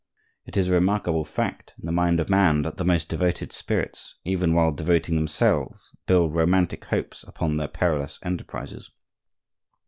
It is a remarkable fact in the mind of man that the most devoted spirits, even while devoting themselves, build romantic hopes upon their perilous enterprises.